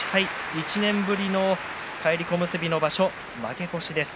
１年ぶりの返り小結の場所ですが負け越しです。